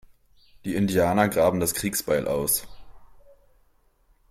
Die Indianer graben das Kriegsbeil aus.